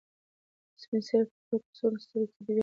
سپین سرې په خپل کڅوړنو سترګو کې د ویاړ نښې لرلې.